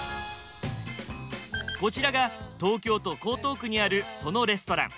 こちらが東京都江東区にあるそのレストラン。